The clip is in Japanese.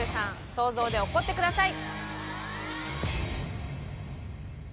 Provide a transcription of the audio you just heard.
想像で怒ってください。